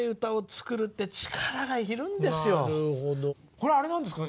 これあれなんですか？